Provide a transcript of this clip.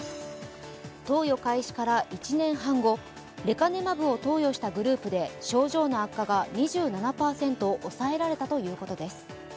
投与開始から１年半後レカネマブを投与したグループで症状の悪化が２７％抑えられたということです。